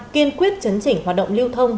kiên quyết chấn chỉnh hoạt động liêu thông